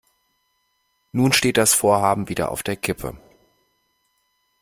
Nun steht das Vorhaben wieder auf der Kippe.